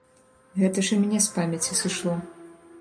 Гэта ж і мне з памяці сышло.